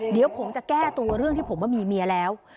เดี๋ยวผมจะแก้ตัวเรื่องที่ผมว่ามีเมียแล้ว